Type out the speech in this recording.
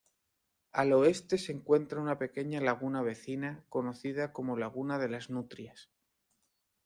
Al Oeste se encuentra una pequeña laguna vecina conocida como laguna de las Nutrias.